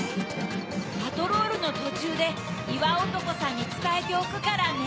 パトロールのとちゅうでいわおとこさんにつたえておくからね。